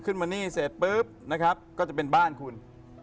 มานี่เสร็จปุ๊บนะครับก็จะเป็นบ้านคุณ